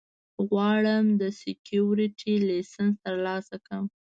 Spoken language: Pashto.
غواړم د سیکیورټي لېسنس ترلاسه کړم